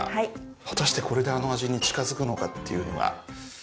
果たしてこれであの味に近づくのかっていうのがねえ。